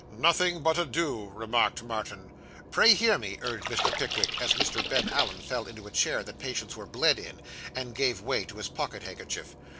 'Nothing but a do,' remarked Martin. 'Pray hear me,' urged Mr. Pickwick, as Mr. Ben Allen fell into a chair that patients were bled in, and gave way to his pocket handkerchief.